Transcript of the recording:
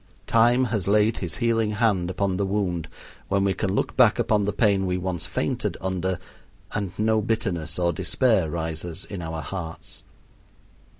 Time has laid his healing hand upon the wound when we can look back upon the pain we once fainted under and no bitterness or despair rises in our hearts.